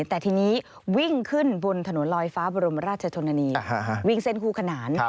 แต่ทีนี้วิ่งขึ้นบนถนนลอยฟ้าบรมราชชนนานีวิ่งเส้นคู่ขนาน